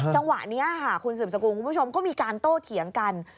จังหวะนี้ค่ะคุณสืบสกุลคุณผู้ชมก็มีการโต้เถียงกัน